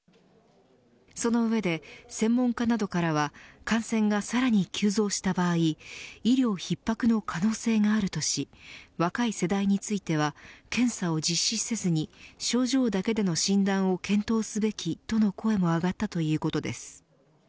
その上で、専門家などからは感染がさらに急増した場合医療逼迫の可能性があるとし若い世代については検査を実施せずに症状だけでの診断を検討すべきとの声も上がったということです。